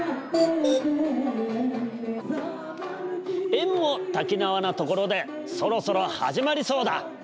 宴もたけなわなところでそろそろ始まりそうだ。